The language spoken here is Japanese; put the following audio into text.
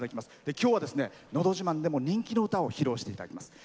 今日は、「のど自慢」でも人気の歌を披露していただきます。